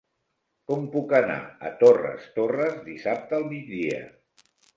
Com puc anar a Torres Torres dissabte al migdia?